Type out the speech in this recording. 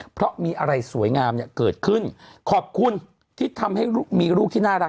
เพราะมีอะไรสวยงามเนี่ยเกิดขึ้นขอบคุณที่ทำให้มีลูกที่น่ารัก